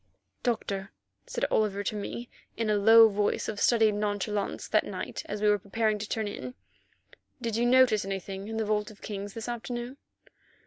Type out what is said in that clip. "Doctor," said Oliver to me in a voice of studied nonchalance that night, as we were preparing to turn in, "did you notice anything in the Vault of Kings this afternoon?"